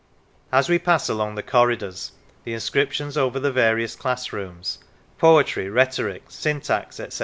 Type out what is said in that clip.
As we pass along the corridors the inscriptions over the various classrooms Poetry, Rhetoric, Syntax, etc.